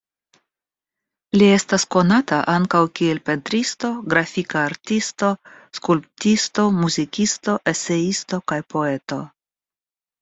Li estas konata ankaŭ kiel pentristo, grafika artisto, skulptisto, muzikisto, eseisto kaj poeto.